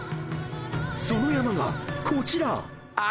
［その山がこちら！］